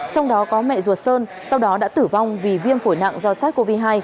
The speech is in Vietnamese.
trong đó có mẹ ruột sơn sau đó đã tử vong vì viêm phổi nặng do sars cov hai